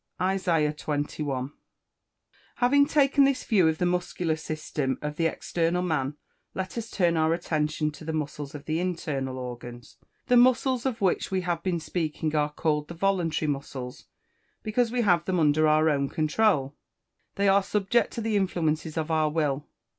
ISAIAH XXI.] Having taken this view of the muscular system of the external man, let us turn our attention to the muscles of the internal organs. The muscles of which we have been speaking are called the voluntary muscles, because we have them under our own controul they are subject to the influences of our will.